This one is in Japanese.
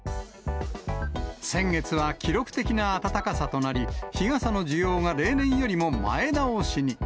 先月は記録的な暖かさとなり、日傘の需要が例年よりも前倒しに。